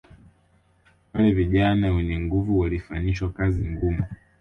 Wale vijana wenye nguvu walifanyishwa kazi ngumu